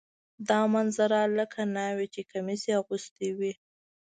دا منظره لکه ناوې چې کمیس اغوستی وي.